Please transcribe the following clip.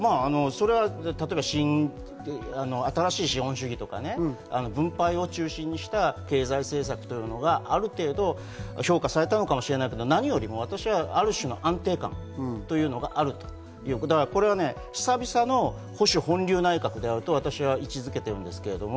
例えば新しい資本主義とか分配を中心にした経済政策というのがある程度評価されたかもしれないけれども、何よりも安定感というのがあると、久々の保守本流内閣であると位置付けてるんですけど。